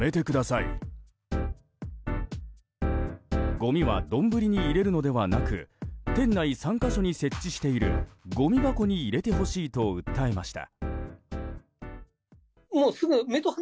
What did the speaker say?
ごみは丼に入れるのではなく店内３か所に設置しているごみ箱に入れてほしいと訴えました。